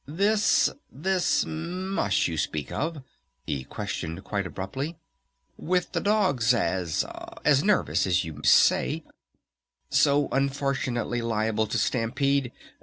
"This this mush that you speak of?" he questioned quite abruptly. "With the dogs as as nervous as you say, so unfortunately liable to stampede?